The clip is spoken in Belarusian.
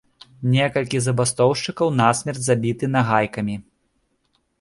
Некалькі забастоўшчыкаў насмерць забіты нагайкамі.